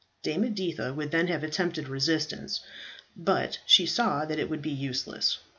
Dame Editha would then have attempted resistance; but she saw that it would be useless.